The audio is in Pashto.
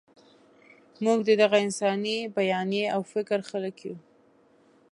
موږ د دغه انساني بیانیې او فکر خلک یو.